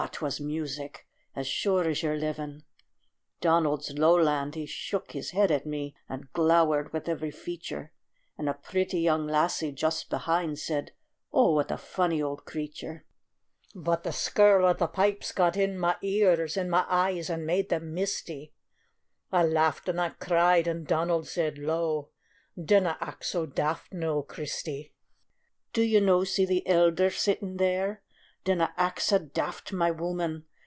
'twas music, as sure as your living. Donald's lowland, he shook his head at me, And glowered with every feature, And a pretty young lassie just behind Said: "Oh, what a funny old creature!" But the skirl o' the pipes got in my ears, In my eyes, and made them misty; I laughed and I cried, and Donald said low: "Dinna act so daft, noo, Christy!" "Do ye no see the elder sitting there? Dinna act sae daft, my wooman.